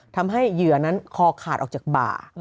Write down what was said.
เหยื่อนั้นคอขาดออกจากบ่า